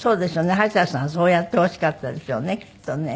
橋田さんはそうやってほしかったでしょうねきっとね。